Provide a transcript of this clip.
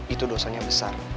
itu dosa nya besar